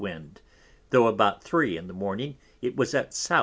Wind, tho' about 3 in the Morning it was at S.W.